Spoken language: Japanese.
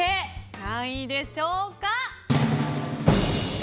何位でしょうか？